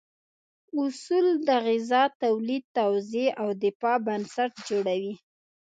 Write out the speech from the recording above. اصول د غذا تولید، توزیع او دفاع بنسټ جوړوي.